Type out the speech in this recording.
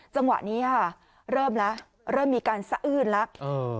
จังหวะนี้เริ่มมีการสะอื้นแล้ว